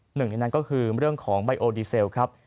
หนึ่งในนั้นก็คือเรื่องของไบโอดีเซลครับ